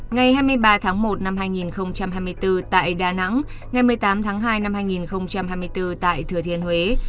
ngày hai mươi ba một hai nghìn hai mươi bốn tại đà nẵng ngày một mươi tám hai hai nghìn hai mươi bốn tại thừa thiên huế